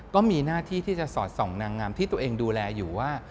ก็มีหน้าที่ที่จะสอดส่องนางงามที่ตัวเองดูแลอยู่ว่า